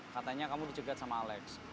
katanya kamu dicegat sama alex